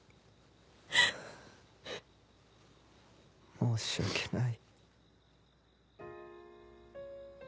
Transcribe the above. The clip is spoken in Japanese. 申し訳ない。